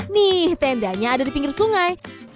nih tendanya ada di pinggir sungai